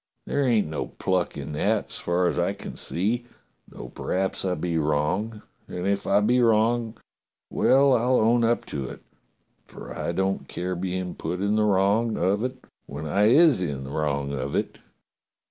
There ain't no pluck in that, as far as I can see, though p'raps I be wrong, and if I be wrong, well, I'll own up to it, for I don't care bein' put in the wrong of it when I is in the wrong of it."